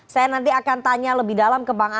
saya nanti akan tanya lebih dalam kebanggaan